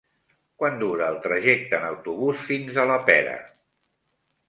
Quant dura el trajecte en autobús fins a la Pera?